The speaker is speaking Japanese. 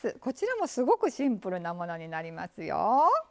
こちらもすごくシンプルなものになりますよ。